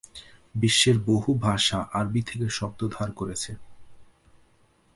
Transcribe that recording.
বিশ্বের বহু ভাষা আরবি থেকে শব্দ ধার করেছে।